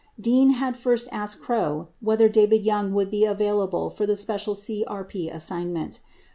14 Dean had first asked Krogh whether David Young would be available for the special CRP assignment.